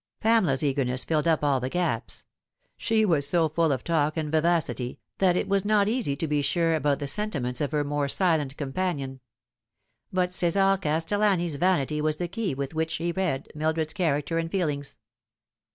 Pamela's eagerness filled up all the gaps; she was so full of talk and vivacity that it was not easy to be sure about the sentiments of her more silent companion ; but Ce"sar Castellani's vanity was the key with which he read Mildred's character and feelings.